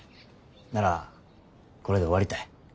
ならこれで終わりたい。